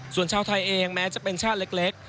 ส่วนชาวไทยเองแม้จะเป็นชาติเล็ก